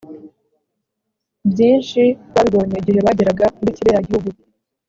byinshi babibonye igihe bageraga muri kiriya gihugu